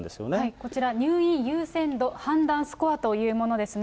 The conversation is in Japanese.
こちら、入院優先度判断スコアというものですね。